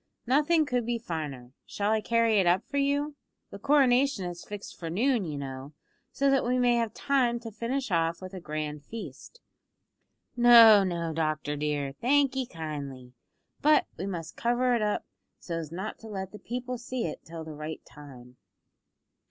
Nothing could be finer. Shall I carry it up for you? The coronation is fixed for noon, you know, so that we may have time to finish off with a grand feast." "No, no, doctor dear. Thank 'ee kindly, but we must cover it up, so's not to let the people see it till the right time."